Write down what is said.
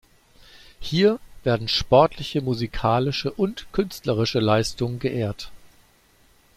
Hier werden sportliche, musikalische und künstlerische Leistungen geehrt.